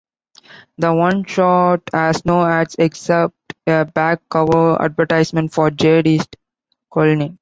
The one-shot has no ads except a back-cover advertisement for Jade East cologne.